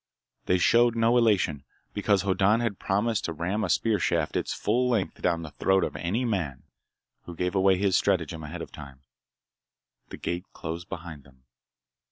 They showed no elation, because Hoddan had promised to ram a spear shaft its full length down the throat of any man who gave away his stratagem ahead of time. The gate closed behind them.